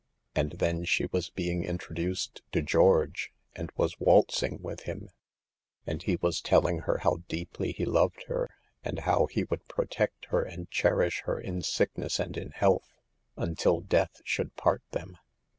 And then she was being introduced to George, and was waltzing 4* 90 SAVE THE GIRLS. with him, and he was telling her how deeply he loved her, and how he would protect her and cherish her in sickness and in health, until death should part them.